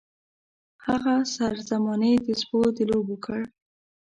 هغه سر زمانې د سپو د لوبو کړ.